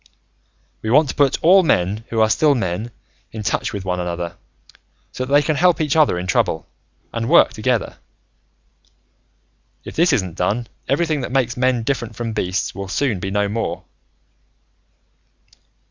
"We want to put all men who are still men in touch with one another, so that they can help each other in trouble, and work together. "If this isn't done, everything that makes men different from beasts will soon be no more."